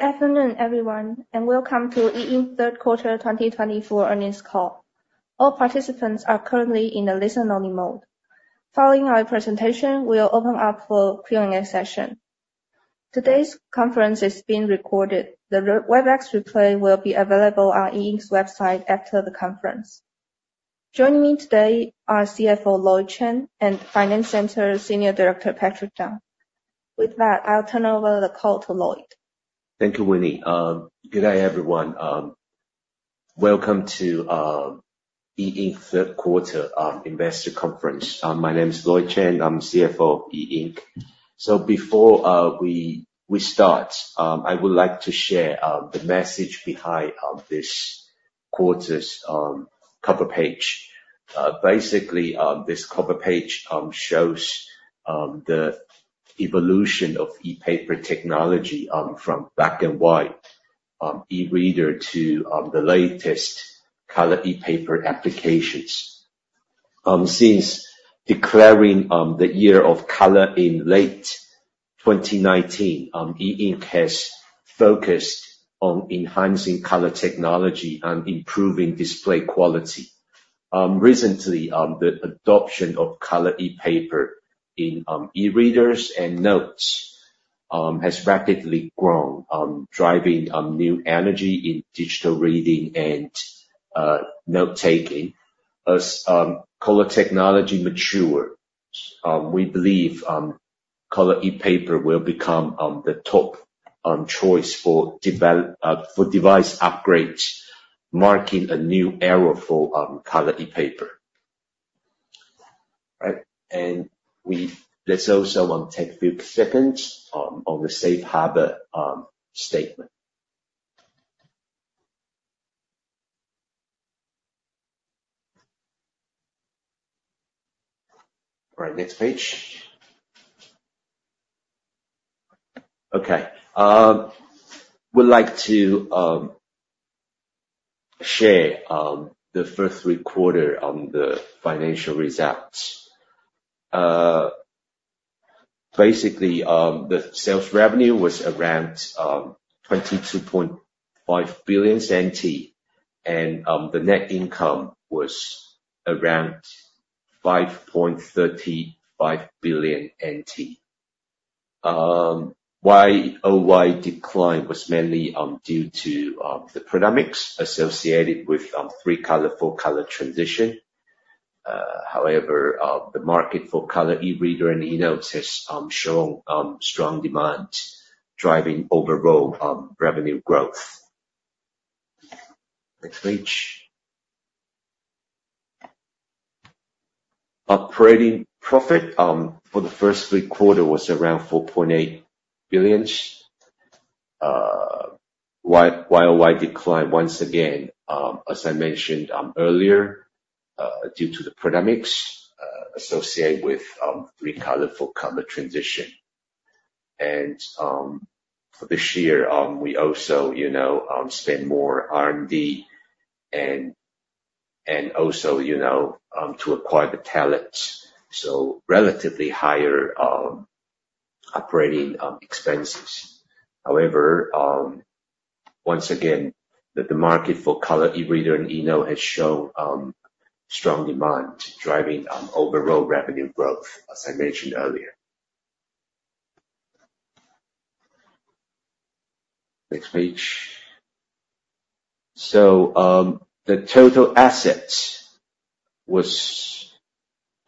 Good afternoon, everyone, and welcome to E Ink Holdings Inc.'s Q3 2024 earnings call. All participants are currently in the listen-only mode. Following our presentation, we'll open up for Q&A session. Today's conference is being recorded. The Webex replay will be available on E Ink Holdings Inc.'s website after the conference. Joining me today are CFO Lloyd Chen and Finance Center Senior Director Patrick Chang. With that, I'll turn over the call to Lloyd. Thank you, Winnie. Good day, everyone. Welcome to E Ink Holdings Inc.'s Q3 Investor Conference. My name is Lloyd Chen. I'm CFO of E Ink Holdings Inc. So before we start, I would like to share the message behind this quarter's cover page. Basically, this cover page shows the evolution of ePaper technology from black and white eReader to the latest color ePaper applications. Since declaring the year of color in late 2019, E Ink Holdings Inc. has focused on enhancing color technology and improving display quality. Recently, the adoption of color ePaper in eReaders and eNotes has rapidly grown, driving new energy in digital reading and note-taking. As color technology matures, we believe color ePaper will become the top choice for device upgrades, marking a new era for color ePaper. All right. And let's also take a few seconds on the Safe Harbor statement. All right, next page. Okay. I would like to share the first quarter on the financial results. Basically, the sales revenue was around 22.5 billion NT, and the net income was around 5.35 billion NT. While decline was mainly due to the product mix associated with three-color, four-color transition. However, the market for color e-reader and e-note has shown strong demand, driving overall revenue growth. Next page. Operating profit for the first quarter was around 4.8 billion, while decline once again, as I mentioned earlier, due to the product mix associated with three-color, four-color transition. And for this year, we also spent more R&D and also to acquire the talent. So relatively higher operating expenses. However, once again, the market for color e-reader and e-note has shown strong demand, driving overall revenue growth, as I mentioned earlier. Next page. So the total assets was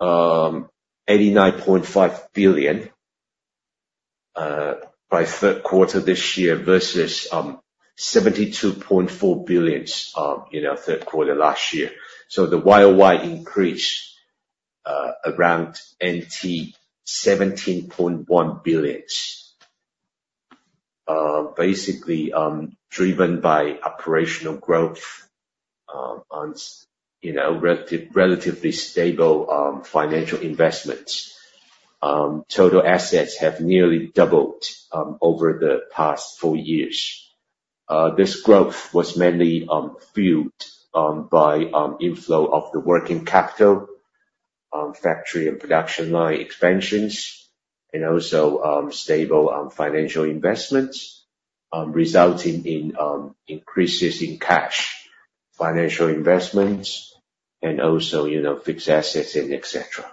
89.5 billion by Q3 this year versus 72.4 billion Q3 last year. So the YoY increased around 17.1 billion, basically driven by operational growth and relatively stable financial investments. Total assets have nearly doubled over the past four years. This growth was mainly fueled by inflow of the working capital, factory and production line expansions, and also stable financial investments resulting in increases in cash, financial investments, and also fixed assets, etc.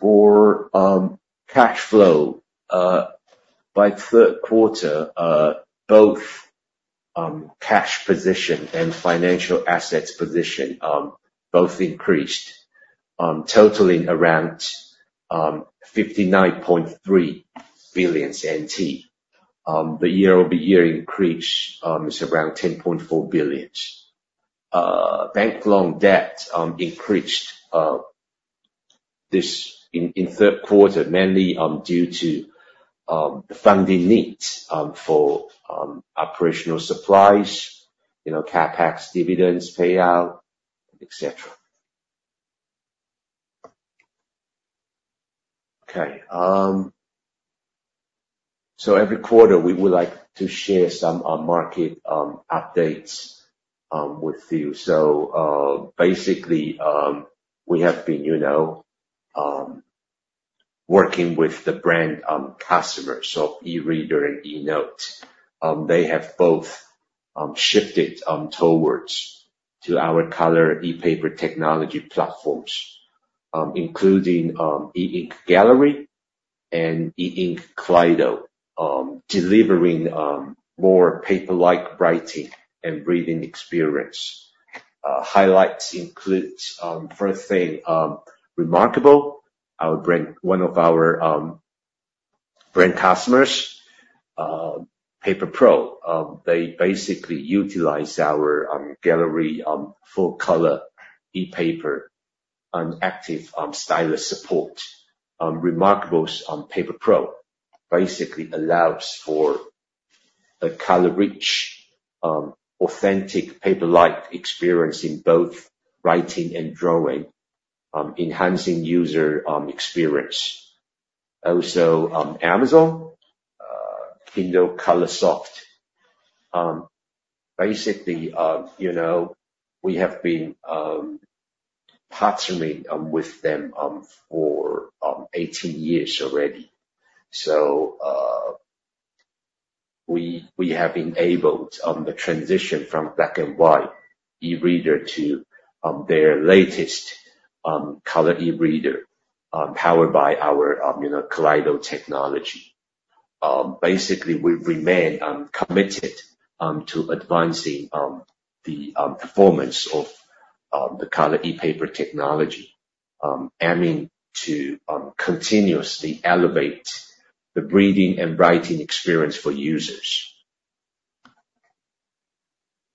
For cash flow, by Q3, both cash position and financial assets position both increased, totaling around 59.3 billion NT. The year-over-year increase is around 10.4 billion. Bank loan debt increased in Q3 mainly due to funding needs for operational supplies, CapEx, dividends, payout, etc. Okay. So every quarter, we would like to share some market updates with you. So basically, we have been working with the brand customers of e-reader and e-note. They have both shifted towards our color ePaper technology platforms, including E Ink Gallery and E Ink Kaleido, delivering more paper-like writing and reading experience. Highlights include first thing, reMarkable, one of our brand customers, Paper Pro. They basically utilize our Gallery full-color ePaper and active stylus support. reMarkable Paper Pro basically allows for a color-rich, authentic paper-like experience in both writing and drawing, enhancing user experience. Also, Amazon, Kindle Colorsoft. Basically, we have been partnering with them for 18 years already. So we have enabled the transition from black and white e-reader to their latest color e-reader powered by our Kaleido technology. Basically, we remain committed to advancing the performance of the color ePaper technology, aiming to continuously elevate the reading and writing experience for users.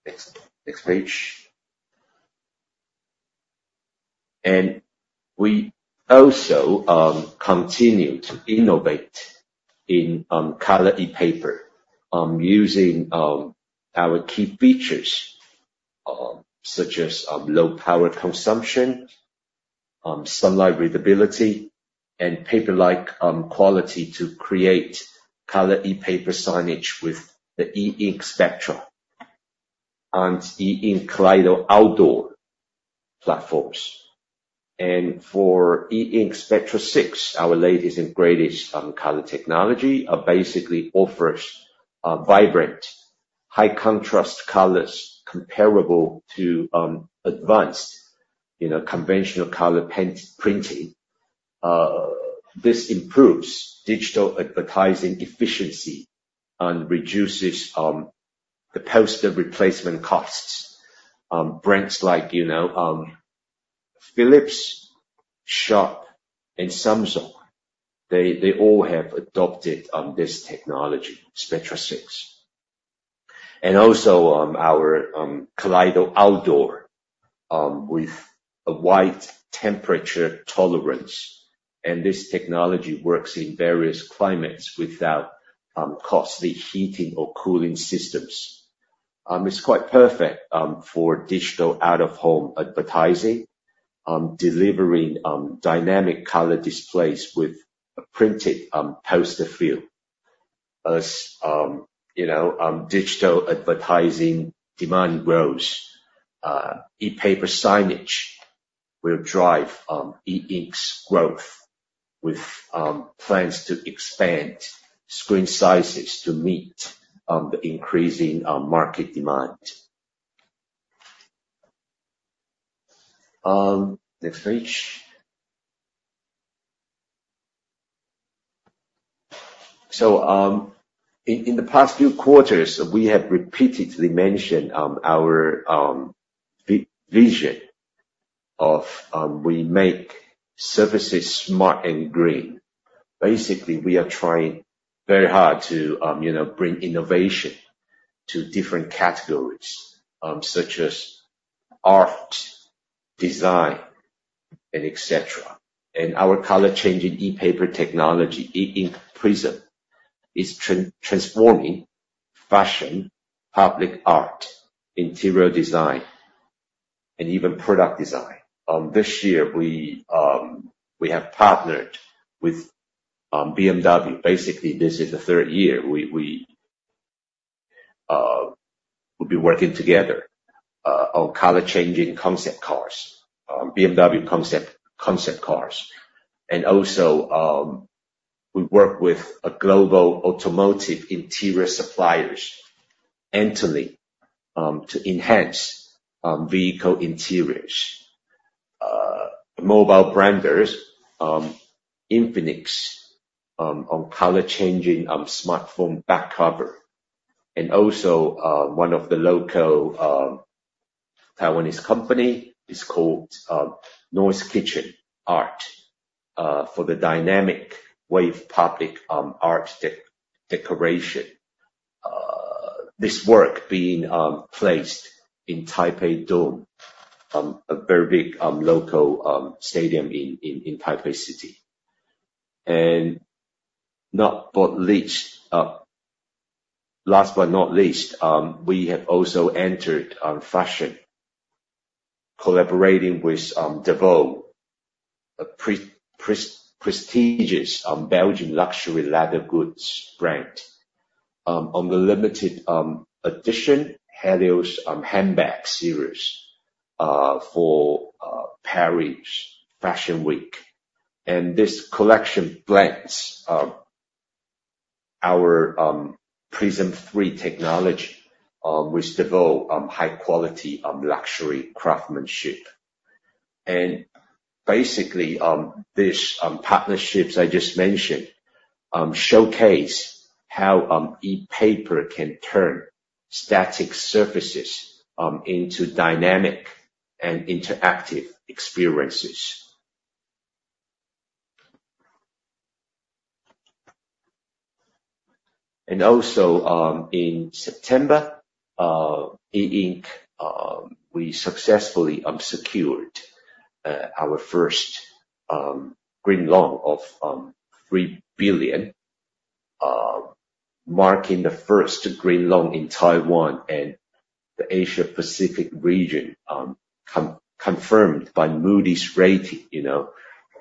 Next page. And we also continue to innovate in color ePaper using our key features such as low power consumption, sunlight readability, and paper-like quality to create color ePaper signage with the E Ink Spectra and E Ink Kaleido Outdoor platforms. And for E Ink Spectra 6, our latest and greatest color technology basically offers vibrant, high-contrast colors comparable to advanced conventional color printing. This improves digital advertising efficiency and reduces the poster replacement costs. Brands like Philips, Sharp, and Samsung, they all have adopted this technology, Spectra 6. And also our Kaleido Outdoor with a wide temperature tolerance. And this technology works in various climates without costly heating or cooling systems. It's quite perfect for digital out-of-home advertising, delivering dynamic color displays with a printed poster feel. As digital advertising demand grows, ePaper signage will drive E Ink's growth with plans to expand screen sizes to meet the increasing market demand. Next page. So in the past few quarters, we have repeatedly mentioned our vision of we make services smart and green. Basically, we are trying very hard to bring innovation to different categories such as art, design, etc. And our color-changing ePaper technology, E Ink Prism, is transforming fashion, public art, interior design, and even product design. This year, we have partnered with BMW. Basically, this is the third year we will be working together on color-changing concept cars, BMW concept cars. And also we work with a global automotive interior supplier, Antolin, to enhance vehicle interiors. Mobile brand Infinix on color-changing smartphone back cover. And also one of the local Taiwanese companies is called Noise Kitchen Art for the Dynamic Wave public art decoration. This work being placed in Taipei Dome, a very big local stadium in Taipei City. Last but not least, we have also entered fashion, collaborating with Delvaux, a prestigious Belgian luxury leather goods brand on the limited edition Helios handbag series for Paris Fashion Week. This collection blends our Prism 3 technology with Delvaux high-quality luxury craftsmanship. Basically, these partnerships I just mentioned showcase how ePaper can turn static surfaces into dynamic and interactive experiences. Also in September, E Ink, we successfully secured our first green loan of 3 billion, marking the first green loan in Taiwan and the Asia-Pacific region, confirmed by Moody's rating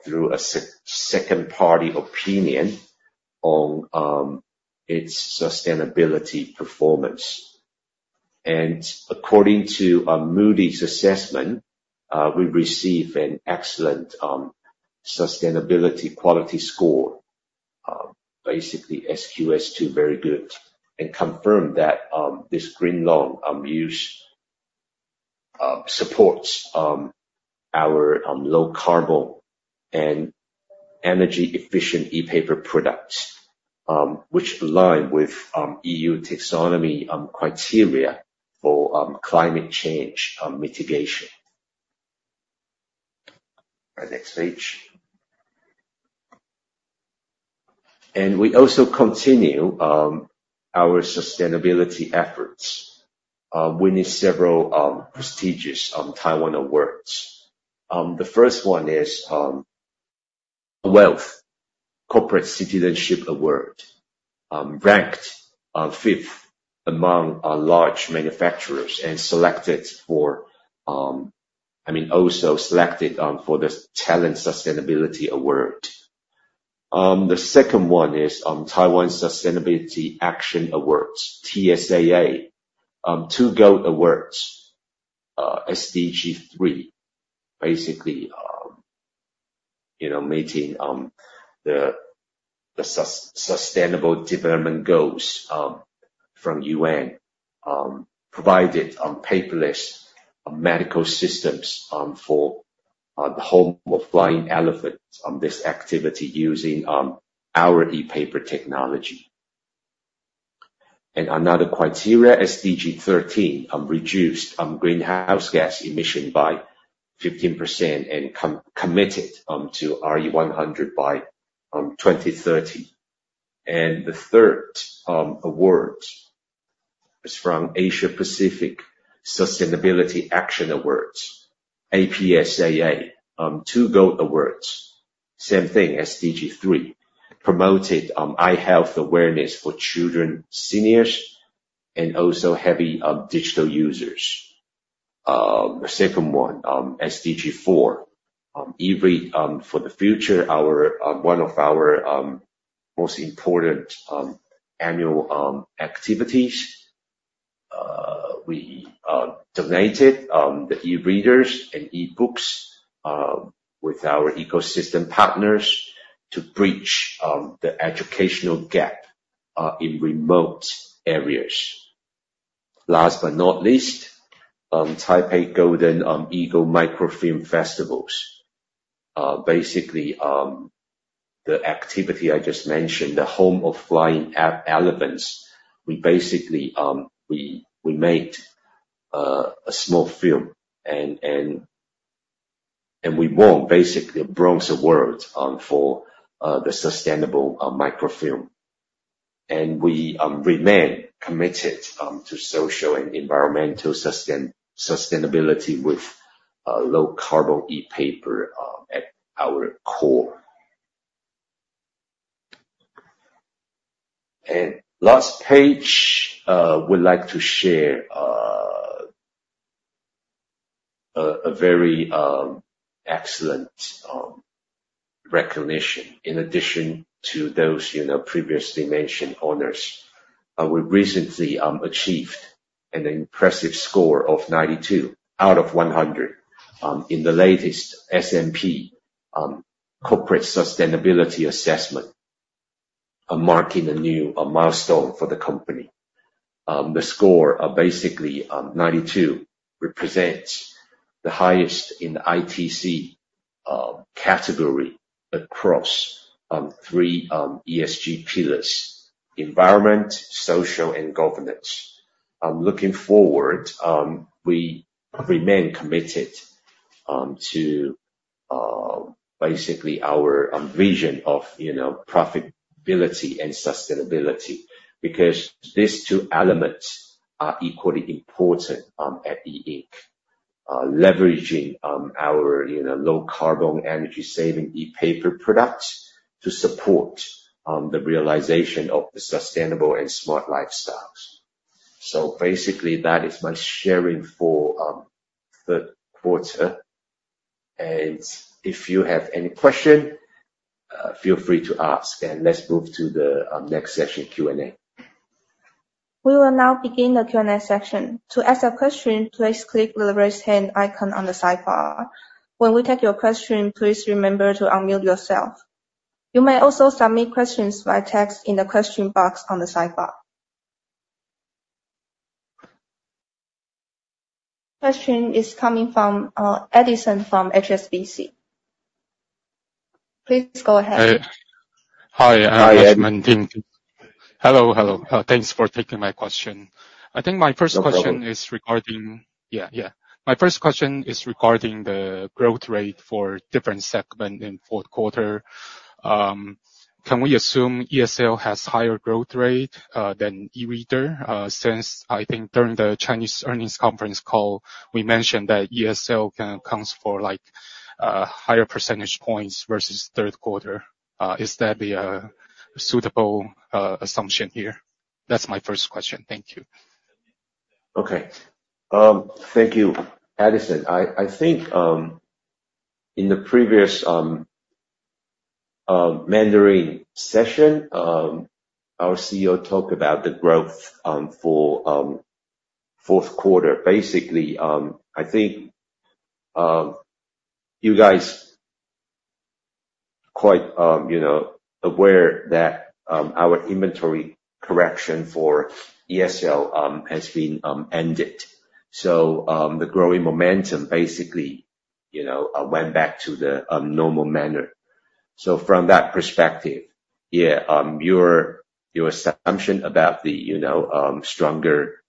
through a second-party opinion on its sustainability performance. According to Moody's assessment, we received an excellent sustainability quality score, basically SQS2, very good, and confirmed that this green loan supports our low-carbon and energy-efficient ePaper products, which align with EU Taxonomy criteria for climate change mitigation. Next page. We also continue our sustainability efforts. We received several prestigious Taiwan awards. The first one is a CommonWealth Corporate Citizenship Award, ranked fifth among large manufacturers and selected for, I mean, also selected for the Talent Sustainability Award. The second one is Taiwan Sustainability Action Awards, TSAA, two-goal awards, SDG 3, basically meeting the sustainable development goals from UN, provided paperless medical systems for the Home of Flying Elephants on this activity using our ePaper technology. And another criteria, SDG 13, reduced greenhouse gas emission by 15% and committed to RE100 by 2030. The third award is from Asia-Pacific Sustainability Action Awards, APSAA, two-goal awards, same thing, SDG 3, promoted eye health awareness for children, seniors, and also heavy digital users. The second one, SDG 4, eRead for the future, one of our most important annual activities. We donated the e-readers and e-books with our ecosystem partners to bridge the educational gap in remote areas. Last but not least, Taipei Golden Eagle Microfilm Festivals. Basically, the activity I just mentioned, the Home of Flying Elephants, we basically made a small film, and we won basically a bronze award for the sustainable microfilm. We remain committed to social and environmental sustainability with low-carbon ePaper at our core. On the last page, we'd like to share a very excellent recognition. In addition to those previously mentioned honors, we recently achieved an impressive score of 92 out of 100 in the latest S&P Corporate Sustainability Assessment, marking a new milestone for the company. The score of basically 92 represents the highest in the ITC category across three ESG pillars: environment, social, and governance. Looking forward, we remain committed to basically our vision of profitability and sustainability because these two elements are equally important at E Ink, leveraging our low-carbon energy-saving ePaper products to support the realization of the sustainable and smart lifestyles. Basically, that is my sharing for third quarter. If you have any question, feel free to ask. Let's move to the next session Q&A. We will now begin the Q&A session. To ask a question, please click the raise hand icon on the sidebar. When we take your question, please remember to unmute yourself. You may also submit questions by text in the question box on the sidebar. Question is coming from Edison from HSBC. Please go ahead. Hi. Hi. Hi, Edison. Hello. Hello. Thanks for taking my question. I think my first question is regarding. Sure. Yeah, yeah. My first question is regarding the growth rate for different segments in fourth quarter. Can we assume ESL has higher growth rate than e-reader? Since I think during the Chinese earnings conference call, we mentioned that ESL can account for higher percentage points versus third quarter. Is that a suitable assumption here? That's my first question. Thank you. Okay. Thank you, Edison. I think in the previous Mandarin session, our CEO talked about the growth for fourth quarter. Basically, I think you guys are quite aware that our inventory correction for ESL has been ended. So the growing momentum basically went back to the normal manner. So from that perspective, yeah, your assumption about the stronger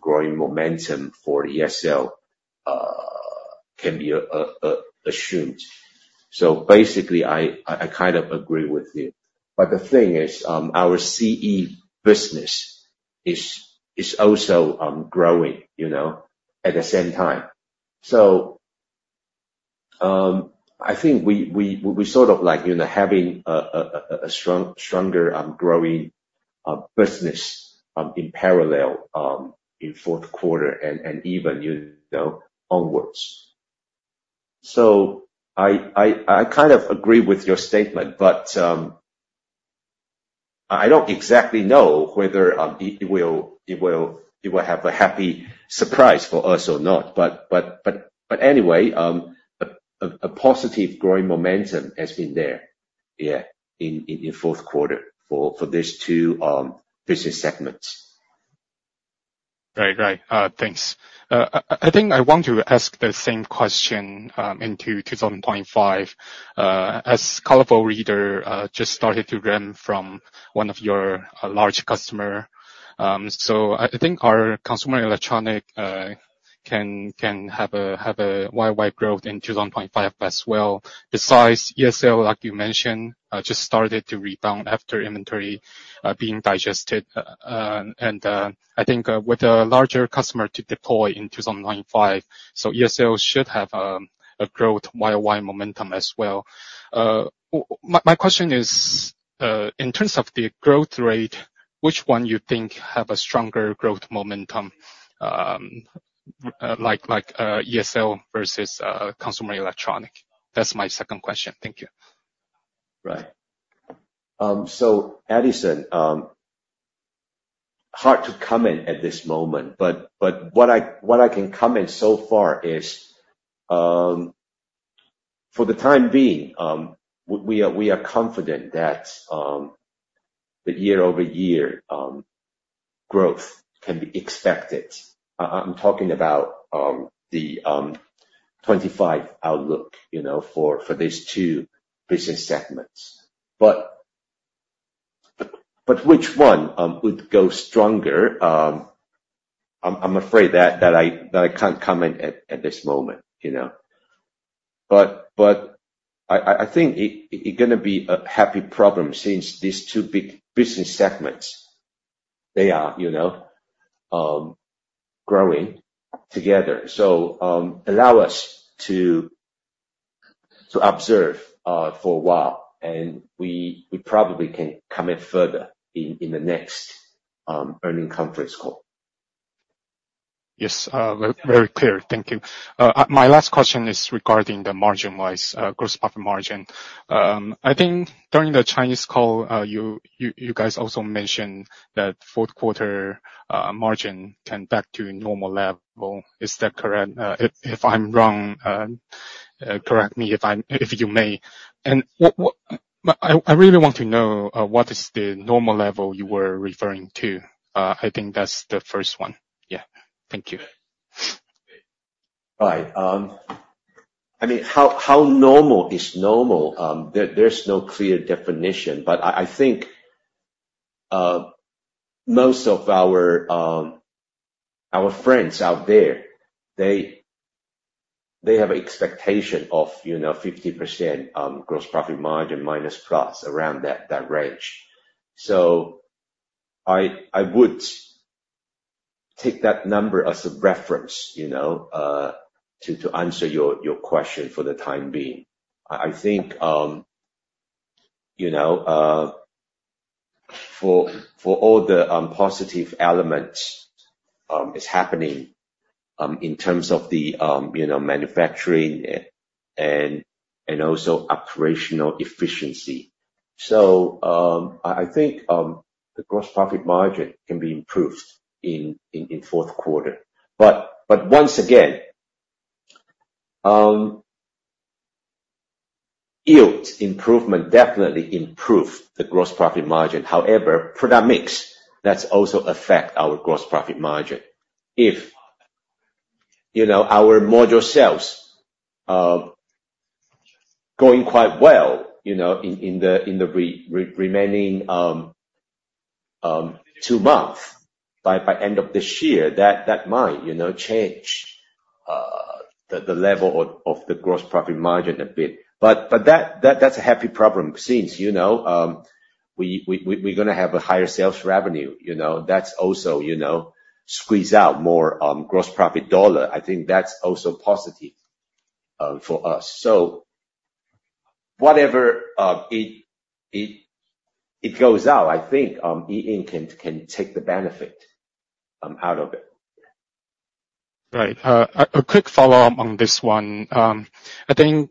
growing momentum for ESL can be assumed. So basically, I kind of agree with you. But the thing is our CE business is also growing at the same time. So I think we sort of like having a stronger growing business in parallel in fourth quarter and even onwards. So I kind of agree with your statement, but I don't exactly know whether it will have a happy surprise for us or not. But anyway, a positive growing momentum has been there, yeah, in fourth quarter for these two business segments. Right, right. Thanks. I think I want to ask the same question into 2025. As Kindle Colorsoft just started to run from one of your large customers. So I think our consumer electronics can have an upside growth in 2025 as well. Besides ESL, like you mentioned, just started to rebound after inventory being digested. And I think with a larger customer to deploy in 2025, so ESL should have a growth upside momentum as well. My question is, in terms of the growth rate, which one you think have a stronger growth momentum like ESL versus consumer electronics? That's my second question. Thank you. Right. So Edison, hard to comment at this moment. But what I can comment so far is for the time being, we are confident that year-over-year growth can be expected. I'm talking about the 2025 outlook for these two business segments. But which one would go stronger? I'm afraid that I can't comment at this moment. But I think it's going to be a happy problem since these two big business segments, they are growing together. So allow us to observe for a while, and we probably can comment further in the next earnings conference call. Yes. Very clear. Thank you. My last question is regarding the margin-wise gross profit margin. I think during the Chinese call, you guys also mentioned that fourth quarter margin can back to normal level. Is that correct? If I'm wrong, correct me if you may. And I really want to know what is the normal level you were referring to. I think that's the first one. Yeah. Thank you. Right. I mean, how normal is normal? There's no clear definition. But I think most of our friends out there, they have an expectation of 50% gross profit margin minus plus around that range. So I would take that number as a reference to answer your question for the time being. I think for all the positive elements is happening in terms of the manufacturing and also operational efficiency. So I think the gross profit margin can be improved in fourth quarter. But once again, yield improvement definitely improved the gross profit margin. However, product mix, that's also affect our gross profit margin. If our module sales going quite well in the remaining two months by end of this year, that might change the level of the gross profit margin a bit. But that's a happy problem since we're going to have a higher sales revenue. That's also squeeze out more gross profit dollar. I think that's also positive for us. So whatever it goes out, I think E Ink can take the benefit out of it. Right. A quick follow-up on this one. I think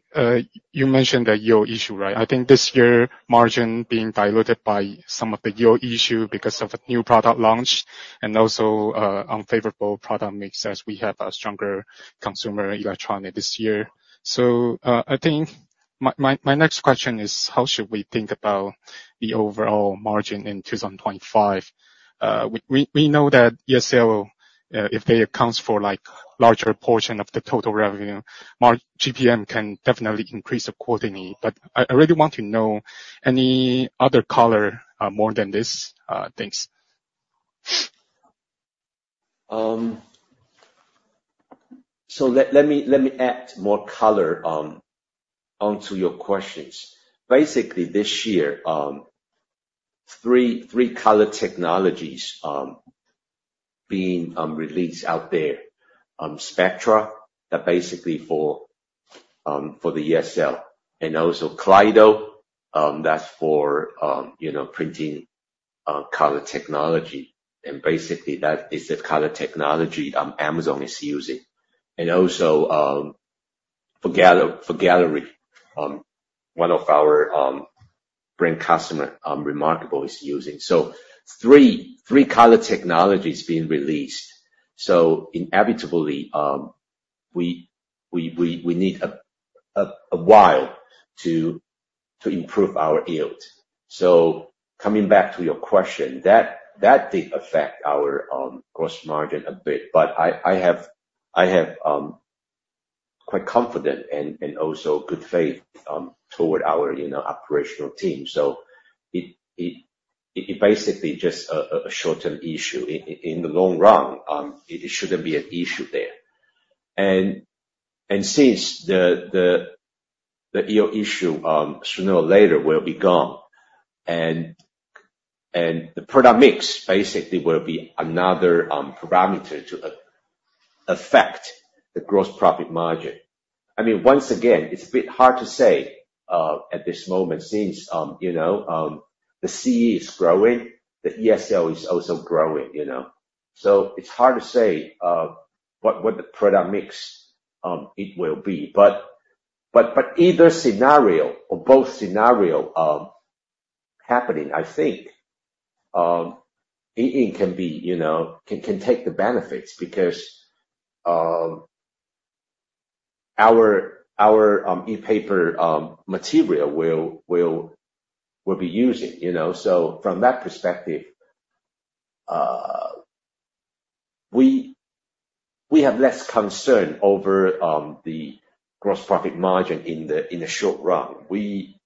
you mentioned the yield issue, right? I think this year margin being diluted by some of the yield issue because of a new product launch and also unfavorable product mix as we have a stronger consumer electronics this year. So I think my next question is, how should we think about the overall margin in 2025? We know that ESL, if they account for a larger portion of the total revenue, GPM can definitely increase the quarterly. But I really want to know any other color more than these things. Let me add more color onto your questions. Basically, this year, three color technologies being released out there, Spectra, that basically for the ESL, and also Kaleido, that's for printing color technology. And basically, that is the color technology Amazon is using. And also for Gallery, one of our brand customers, reMarkable, is using. So three color technologies being released. So inevitably, we need a while to improve our yield. So coming back to your question, that did affect our gross margin a bit. But I have quite confident and also good faith toward our operational team. So it basically just a short-term issue. In the long run, it shouldn't be an issue there. And since the yield issue sooner or later will be gone, and the product mix basically will be another parameter to affect the gross profit margin. I mean, once again, it's a bit hard to say at this moment since the CE is growing, the ESL is also growing. So it's hard to say what the product mix it will be. But either scenario or both scenarios happening, I think E Ink can take the benefits because our ePaper material will be using. So from that perspective, we have less concern over the gross profit margin in the short run. We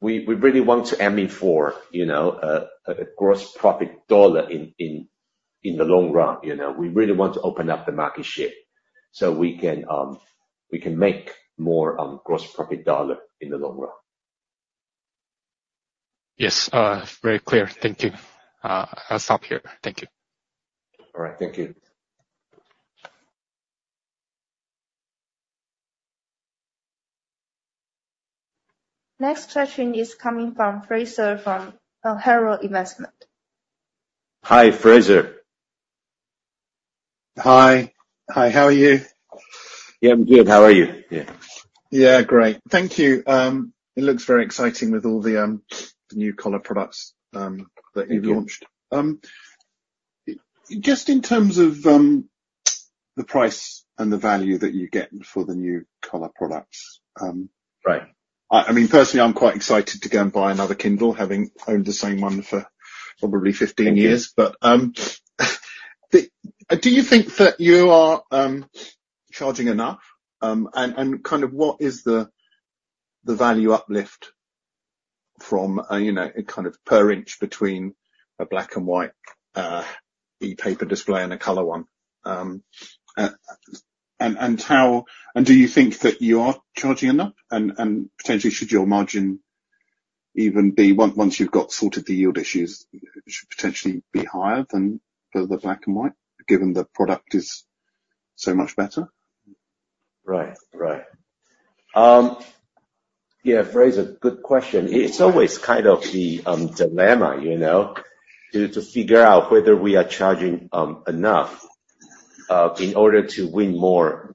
really want to aim for a gross profit dollar in the long run. We really want to open up the market share so we can make more gross profit dollar in the long run. Yes. Very clear. Thank you. I'll stop here. Thank you. All right. Thank you. Next question is coming from Fraser from Harrow Investment. Hi, Fraser. Hi. Hi. How are you? Yeah, I'm good. How are you? Yeah. Great. Thank you. It looks very exciting with all the new color products that you've launched. Just in terms of the price and the value that you get for the new color products. Right. I mean, personally, I'm quite excited to go and buy another Kindle, having owned the same one for probably 15 years. But do you think that you are charging enough? And kind of what is the value uplift from kind of per inch between a black and white ePaper display and a color one? And do you think that you are charging enough? And potentially, should your margin even be once you've got sorted the yield issues, should potentially be higher than for the black and white, given the product is so much better? Right, right. Yeah, Fraser, good question. It's always kind of the dilemma to figure out whether we are charging enough in order to win more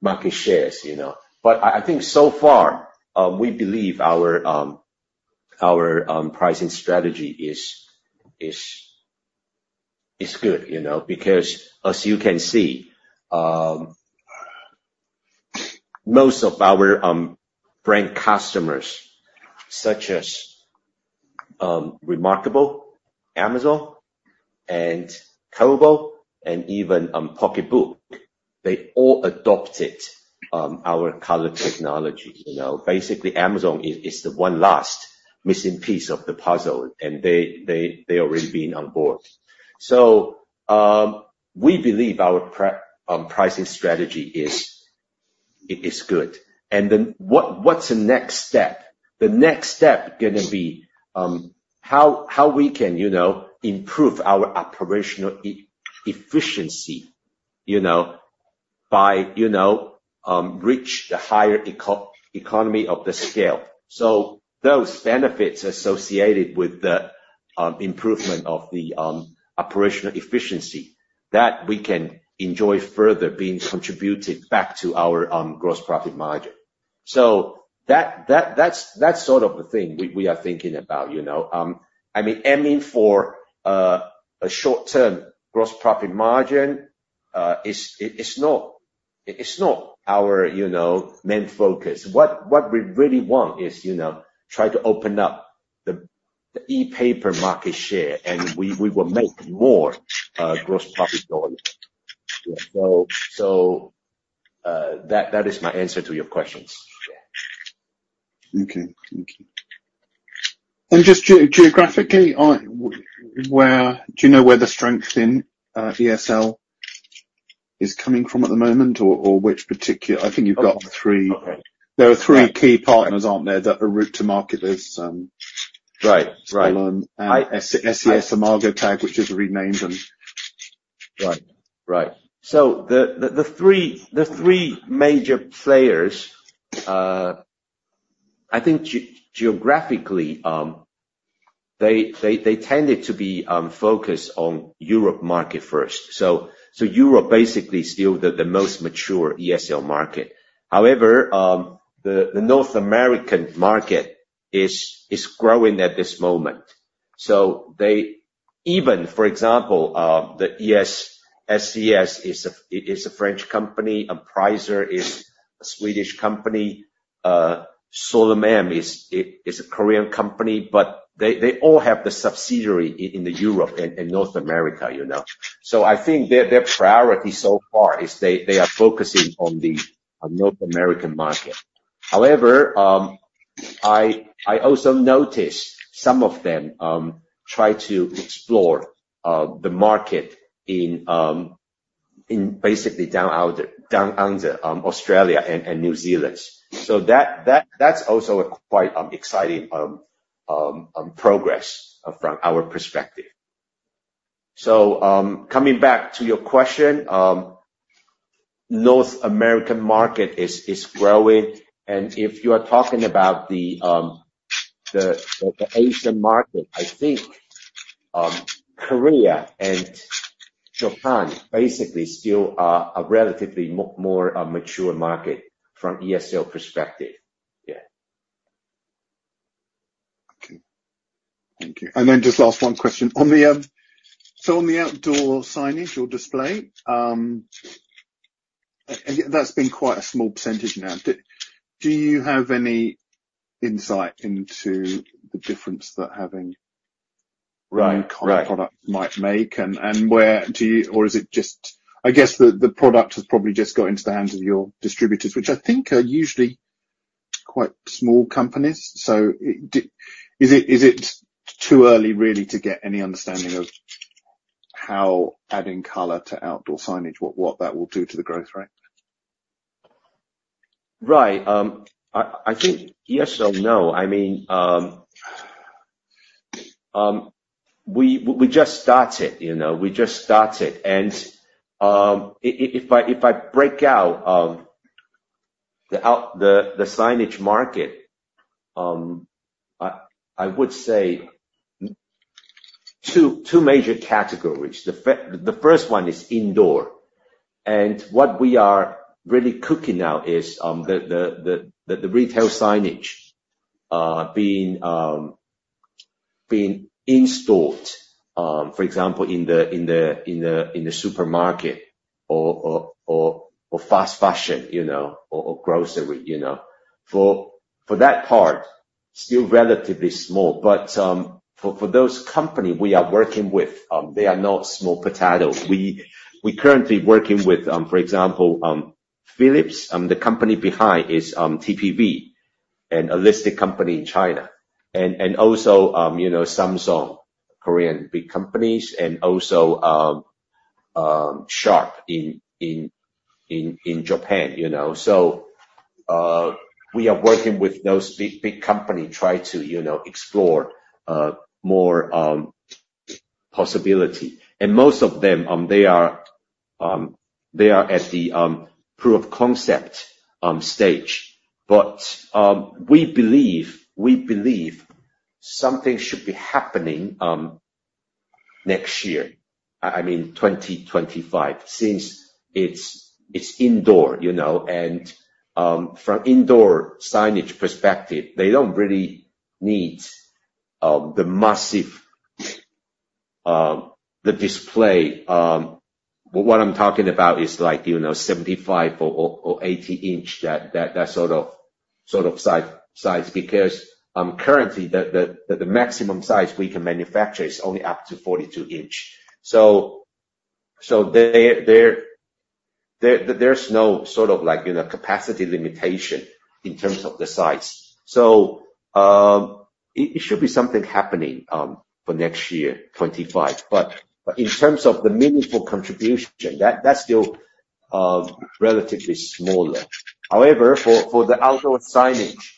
market shares. But I think so far, we believe our pricing strategy is good because, as you can see, most of our brand customers, such as reMarkable, Amazon, and Kobo, and even PocketBook, they all adopted our color technology. Basically, Amazon is the one last missing piece of the puzzle, and they are already being on board. So we believe our pricing strategy is good and then what's the next step? The next step is going to be how we can improve our operational efficiency by reaching the higher economy of the scale. So those benefits associated with the improvement of the operational efficiency, that we can enjoy further being contributed back to our gross profit margin. So that's sort of the thing we are thinking about. I mean, aiming for a short-term gross profit margin is not our main focus. What we really want is try to open up the ePaper market share, and we will make more gross profit dollar. So that is my answer to your questions. Okay. Thank you. And just geographically, do you know where the strength in ESL is coming from at the moment or which particular? I think you've got three. There are three key partners, aren't there, that are route to marketers? Right, right. SES-imagotag, which is renamed and. Right, right, so the three major players, I think, geographically, they tended to be focused on the Europe market first, so Europe basically is still the most mature ESL market. However, the North American market is growing at this moment, so even, for example, the SES is a French company. Pricer is a Swedish company. SOLUM is a Korean company. But they all have the subsidiary in Europe and North America, so I think their priority so far is they are focusing on the North American market. However, I also noticed some of them try to explore the market in basically down under, Australia and New Zealand, so that's also a quite exciting progress from our perspective, so coming back to your question, North American market is growing. If you are talking about the Asian market, I think Korea and Japan basically still are a relatively more mature market from ESL perspective. Yeah. Okay. Thank you. And then just last one question. So on the outdoor signage or display, that's been quite a small percentage now. Do you have any insight into the difference that having one color product might make? And where do you or is it just, I guess, the product has probably just got into the hands of your distributors, which I think are usually quite small companies. So is it too early really to get any understanding of how adding color to outdoor signage, what that will do to the growth rate? Right. I think yes or no. I mean, we just started. We just started. And if I break out the signage market, I would say two major categories. The first one is indoor. And what we are really cooking now is the retail signage being installed, for example, in the supermarket or fast fashion or grocery. For that part, still relatively small. But for those companies we are working with, they are not small potatoes. We're currently working with, for example, Philips. The company behind is TPV, an electronics company in China. And also Samsung, Korean big companies, and also Sharp in Japan. So we are working with those big companies trying to explore more possibility. And most of them, they are at the proof of concept stage. But we believe something should be happening next year, I mean, 2025, since it's indoor. From indoor signage perspective, they don't really need the massive display. What I'm talking about is like 75 in or 80 in, that sort of size because currently, the maximum size we can manufacture is only up to 42 in. So there's no sort of capacity limitation in terms of the size. So it should be something happening for next year, 2025. But in terms of the meaningful contribution, that's still relatively smaller. However, for the outdoor signage,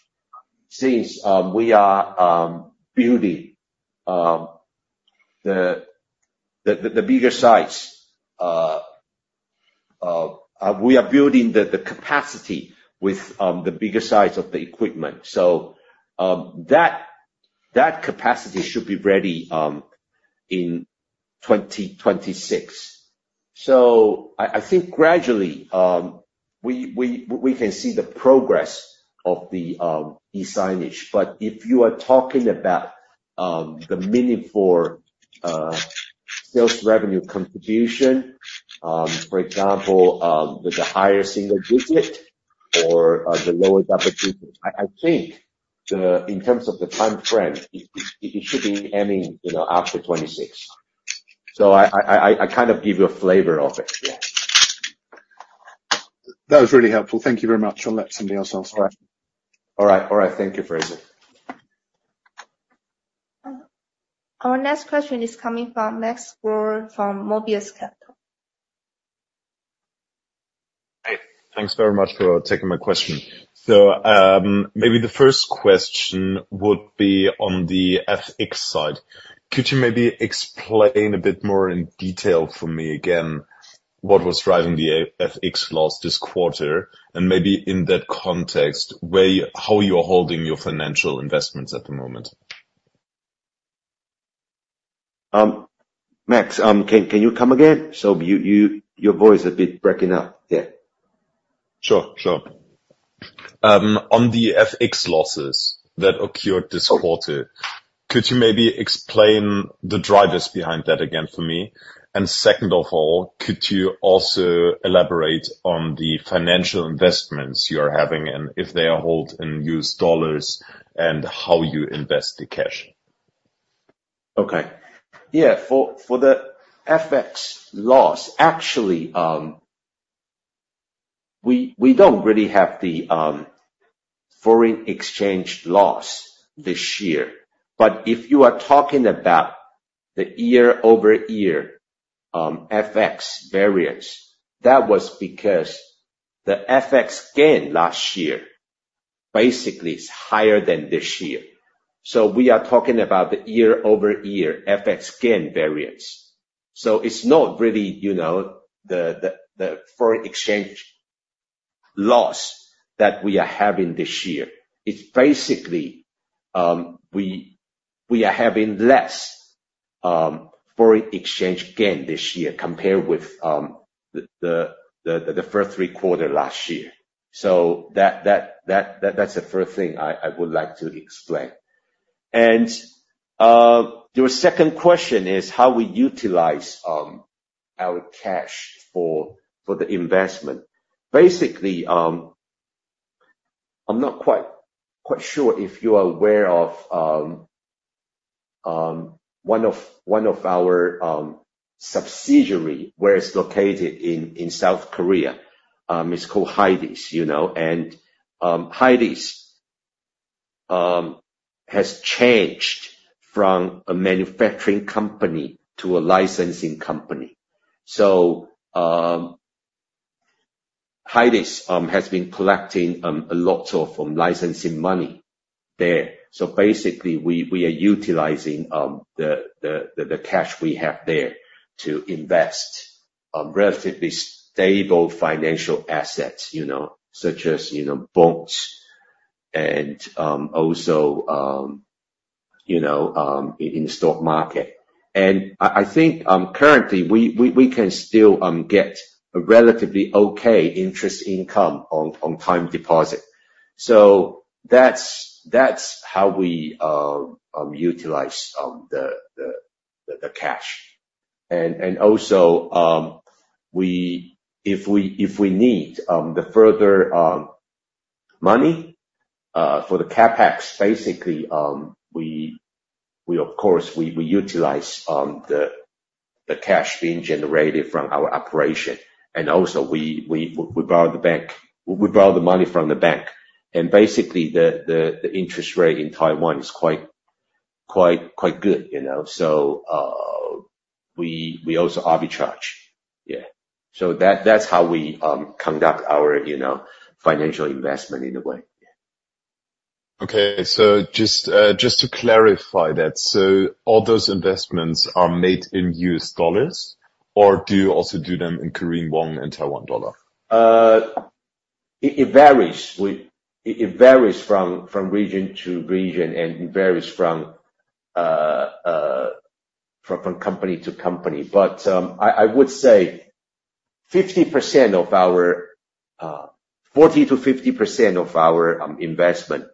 since we are building the bigger size, we are building the capacity with the bigger size of the equipment. So that capacity should be ready in 2026. So I think gradually, we can see the progress of the e-signage. But if you are talking about the meaningful sales revenue contribution, for example, with the higher single digit or the lower double digit, I think in terms of the time frame, it should be aiming after 2026. So I kind of give you a flavor of it. Yeah. That was really helpful. Thank you very much. I'll let somebody else ask. All right. Thank you, Fraser. Our next question is coming from Max from Mobius Capital. Hey. Thanks very much for taking my question. So maybe the first question would be on the FX side. Could you maybe explain a bit more in detail for me again what was driving the FX loss this quarter? And maybe in that context, how you are holding your financial investments at the moment? Max, can you come again? So your voice is a bit breaking up. Yeah. Sure, sure. On the FX losses that occurred this quarter, could you maybe explain the drivers behind that again for me? And second of all, could you also elaborate on the financial investments you are having and if they are held in U.S. dollars and how you invest the cash? Okay. Yeah. For the FX loss, actually, we don't really have the foreign exchange loss this year. But if you are talking about the year-over-year FX variance, that was because the FX gain last year basically is higher than this year, so we are talking about the year-over-year FX gain variance, so it's not really the foreign exchange loss that we are having this year. It's basically we are having less foreign exchange gain this year compared with the first three quarters last year, so that's the first thing I would like to explain. Your second question is how we utilize our cash for the investment. Basically, I'm not quite sure if you are aware of one of our subsidiaries where it's located in South Korea. It's called Hydis. And Hydis has changed from a manufacturing company to a licensing company. Hydis has been collecting lots of licensing money there. Basically, we are utilizing the cash we have there to invest in relatively stable financial assets such as bonds and also in the stock market. I think currently, we can still get a relatively okay interest income on time deposit. That's how we utilize the cash. Also, if we need the further money for the CapEx, basically, of course, we utilize the cash being generated from our operation. Also, we borrow the money from the bank. Basically, the interest rate in Taiwan is quite good. So we also arbitrage. Yeah. That's how we conduct our financial investment in a way. Okay. So just to clarify that, so all those investments are made in U.S. dollars, or do you also do them in Korean won and Taiwan dollar? It varies. It varies from region to region and varies from company to company. But I would say 50% of our 40%-50% of our investment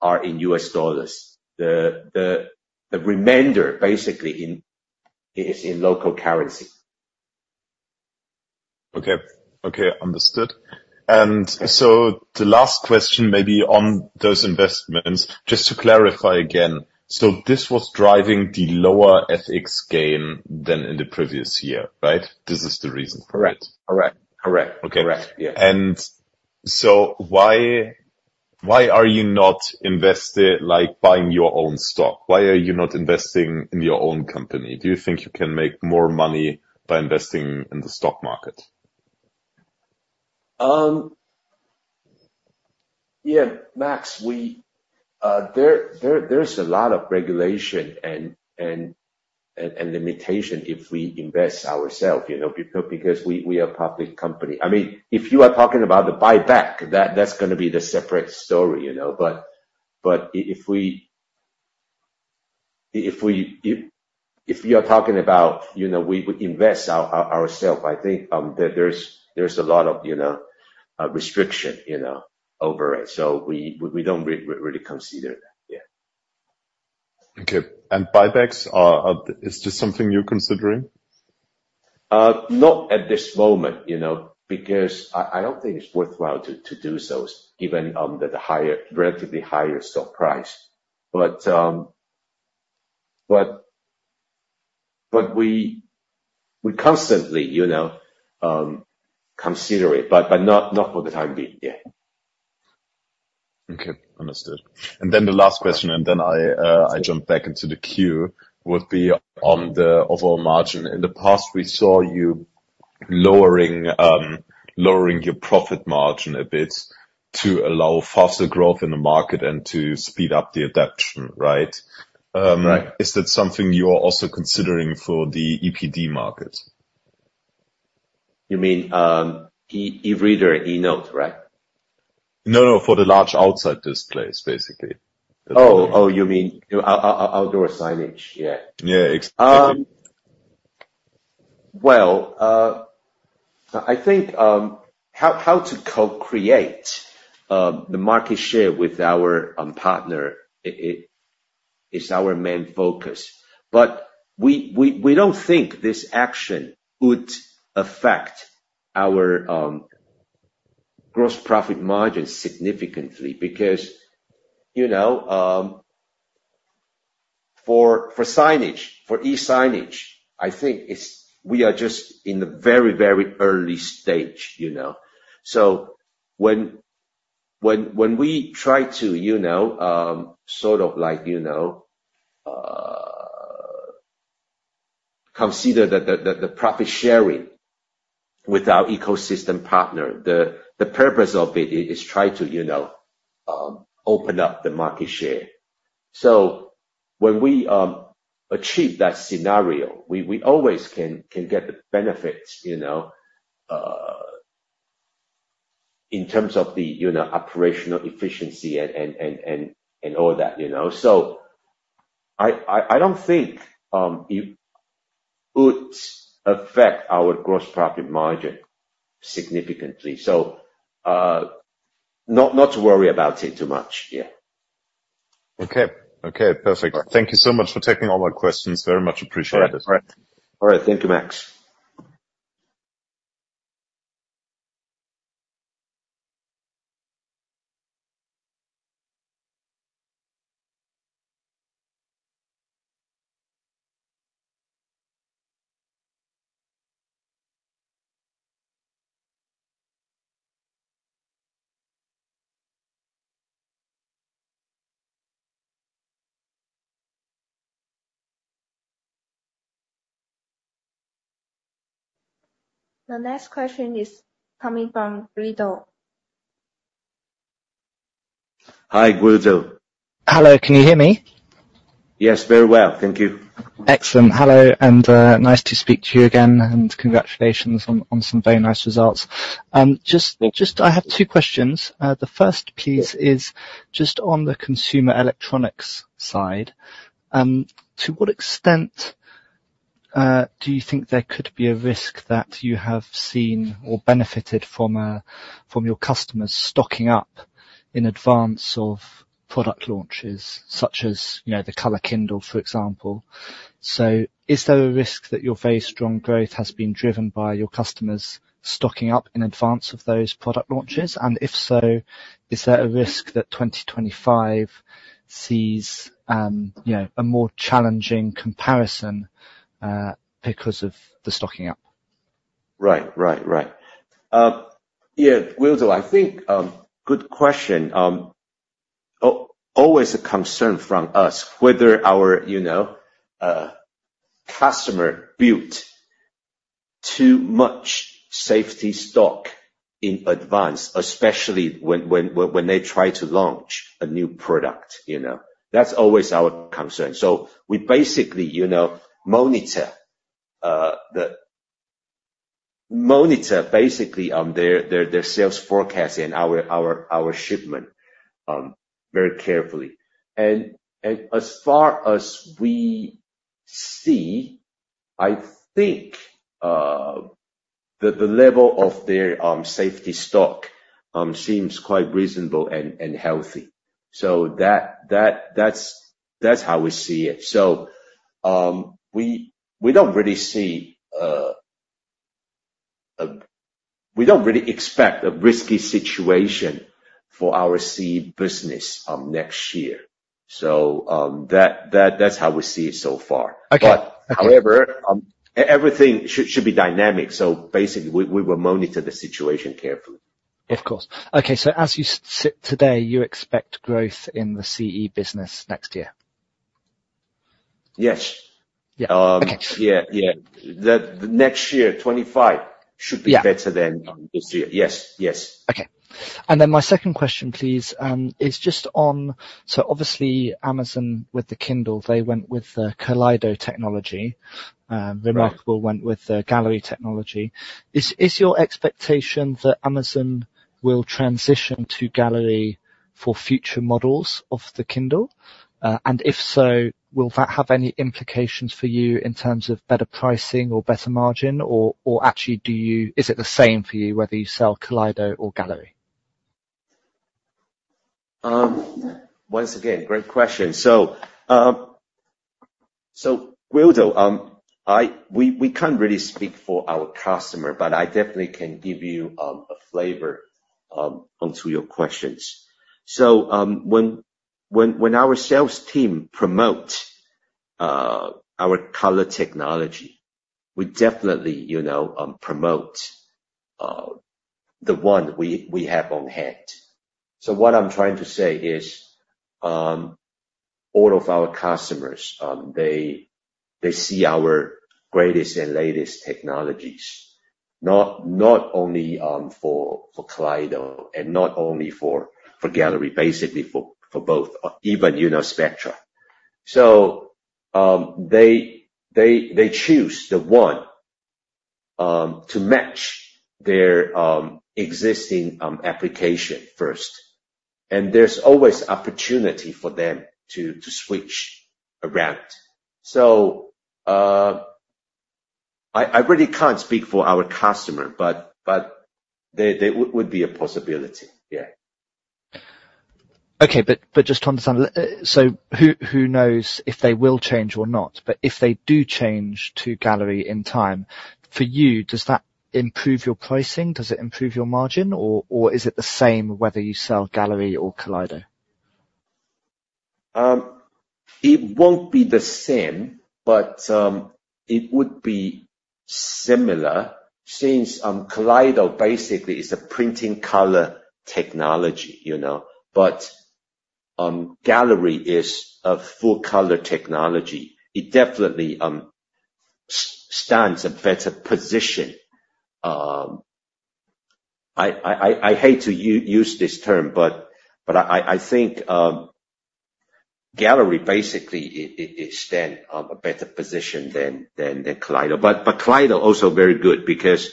are in U.S. dollars. The remainder basically is in local currency. Okay. Okay. Understood. And so the last question maybe on those investments, just to clarify again, so this was driving the lower FX gain than in the previous year, right? This is the reason for it. Correct. Yeah. And so why are you not investing like buying your own stock? Why are you not investing in your own company? Do you think you can make more money by investing in the stock market? Yeah. Max, there's a lot of regulation and limitation if we invest ourselves because we are a public company. I mean, if you are talking about the buyback, that's going to be the separate story. But if you are talking about we invest ourselves, I think there's a lot of restriction over it. So we don't really consider that. Yeah. Okay, and buybacks, is this something you're considering? Not at this moment because I don't think it's worthwhile to do so, even at the relatively higher stock price. But we constantly consider it, but not for the time being. Yeah. Okay. Understood. And then the last question, and then I jump back into the queue, would be on the overall margin. In the past, we saw you lowering your profit margin a bit to allow faster growth in the market and to speed up the adoption, right? Is that something you are also considering for the EPD market? You mean e-reader, e-note, right? No, no. For the large outside displays, basically. Oh, you mean outdoor signage. Yeah. Yeah. Exactly. I think how to co-create the market share with our partner is our main focus. But we don't think this action would affect our gross profit margin significantly because for signage, for e-signage, I think we are just in the very, very early stage. So when we try to sort of consider the profit sharing with our ecosystem partner, the purpose of it is trying to open up the market share. So when we achieve that scenario, we always can get the benefits in terms of the operational efficiency and all that. So I don't think it would affect our gross profit margin significantly. So not to worry about it too much. Yeah. Okay. Okay. Perfect. Thank you so much for taking all my questions. Very much appreciated. All right. All right. Thank you, Max. The next question is coming from Guido. Hi, Guido. Hello. Can you hear me? Yes, very well. Thank you. Excellent. Hello. And nice to speak to you again. And congratulations on some very nice results. Just, I have two questions. The first piece is just on the consumer electronics side. To what extent do you think there could be a risk that you have seen or benefited from your customers stocking up in advance of product launches such as the Kindle Colorsoft, for example? So is there a risk that your very strong growth has been driven by your customers stocking up in advance of those product launches? And if so, is there a risk that 2025 sees a more challenging comparison because of the stocking up? Right. Right. Right. Yeah, Guido, I think good question. Always a concern from us whether our customer built too much safety stock in advance, especially when they try to launch a new product. That's always our concern. So we basically monitor their sales forecast and our shipment very carefully. And as far as we see, I think the level of their safety stock seems quite reasonable and healthy. So that's how we see it. So we don't really expect a risky situation for our seed business next year. So that's how we see it so far. But however, everything should be dynamic. So basically, we will monitor the situation carefully. Of course. Okay. So as you sit today, you expect growth in the CE business next year? Yes. Yeah. Okay. Yeah. Yeah. Next year, 2025 should be better than this year. Yes. Yes. Okay. And then my second question, please, is just on so obviously, Amazon with the Kindle, they went with the Kaleido technology. reMarkable went with the Gallery technology. Is your expectation that Amazon will transition to Gallery for future models of the Kindle? And if so, will that have any implications for you in terms of better pricing or better margin? Or actually, is it the same for you whether you sell Kaleido or Gallery? Once again, great question. So Guido, we can't really speak for our customer, but I definitely can give you a flavor onto your questions. So when our sales team promotes our color technology, we definitely promote the one we have on hand. So what I'm trying to say is all of our customers, they see our greatest and latest technologies, not only for Kaleido and not only for Gallery, basically for both, even Spectra. So they choose the one to match their existing application first. And there's always opportunity for them to switch around. So I really can't speak for our customer, but there would be a possibility. Yeah. Okay, but just to understand, so who knows if they will change or not, but if they do change to Gallery in time, for you, does that improve your pricing? Does it improve your margin, or is it the same whether you sell Gallery or Kaleido? It won't be the same, but it would be similar since Kaleido basically is a printing color technology. But Gallery is a full-color technology. It definitely stands in a better position. I hate to use this term, but I think Gallery basically stands in a better position than Kaleido. But Kaleido is also very good because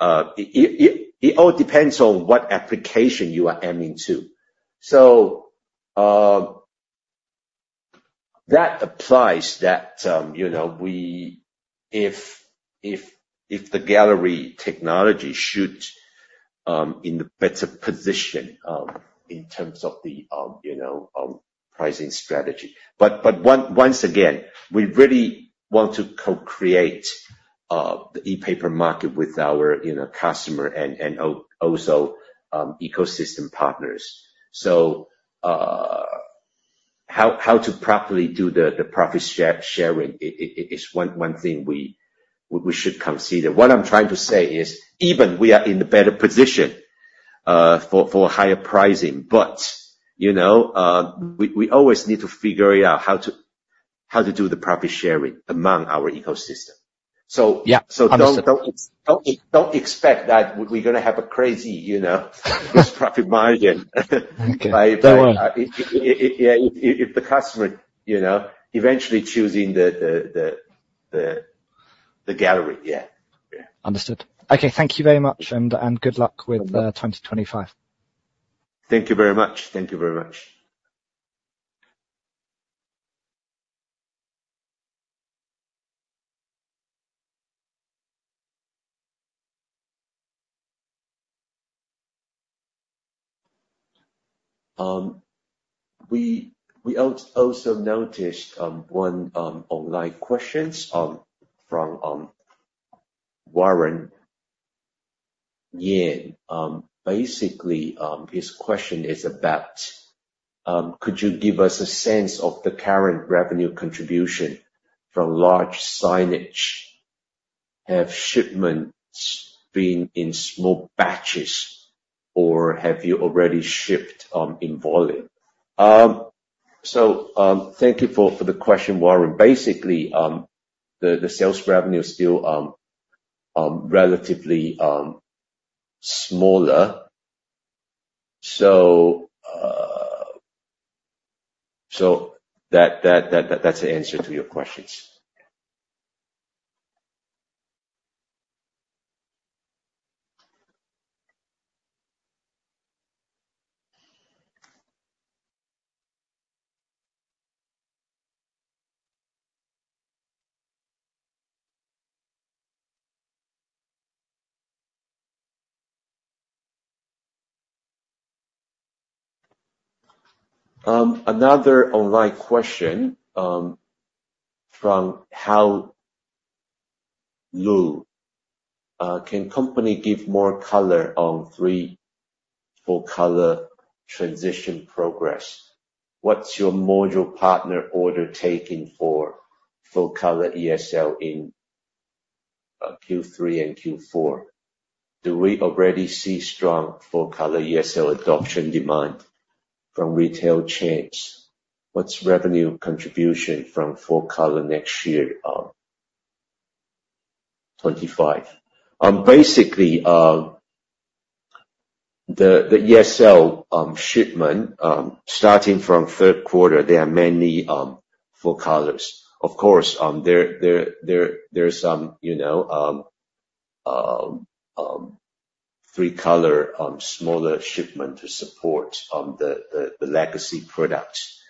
it all depends on what application you are aiming to. So that applies that if the Gallery technology should be in a better position in terms of the pricing strategy. But once again, we really want to co-create the ePaper market with our customer and also ecosystem partners. So how to properly do the profit sharing is one thing we should consider. What I'm trying to say is even we are in a better position for higher pricing, but we always need to figure out how to do the profit sharing among our ecosystem. So don't expect that we're going to have a crazy profit margin if the customer eventually chooses the Gallery. Yeah. Understood. Okay. Thank you very much. And good luck with 2025. Thank you very much. We also noticed one of the questions from Warren Yin. Basically, his question is about, could you give us a sense of the current revenue contribution from large signage? Have shipments been in small batches, or have you already shipped in volume? So thank you for the question, Warren. Basically, the sales revenue is still relatively smaller. So that's the answer to your questions. Another online question from Hao Lu. Can the company give more color on the full-color transition progress? What's your module partner order taking for full-color ESL in Q3 and Q4? Do we already see strong full-color ESL adoption demand from retail chains? What's revenue contribution from full-color next year, 2025? Basically, the ESL shipment starting from third quarter, there are many full-colors. Of course, there are some three-color smaller shipments to support the legacy products.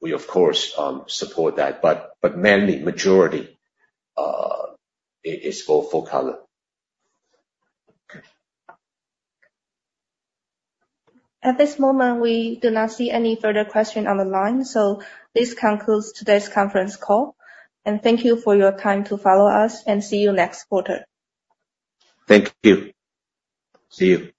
We, of course, support that. But mainly, the majority is for full-color. Okay. At this moment, we do not see any further questions on the line. So this concludes today's conference call. And thank you for your time to follow us, and see you next quarter. Thank you. See you.